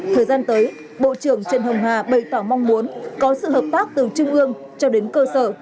thời gian tới bộ trưởng trần hồng hà bày tỏ mong muốn có sự hợp tác từ trung ương cho đến cơ sở